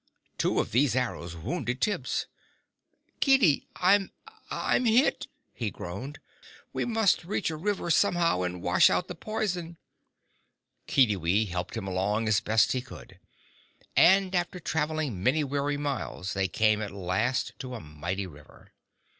Two of these arrows wounded Tibbs. "Kiddi, I'm I'm hit!" he groaned. "We must reach a river, somehow, and wash out the poison." Kiddiwee helped him along as best he could. And after travelling many weary miles, they came at last to a mighty river.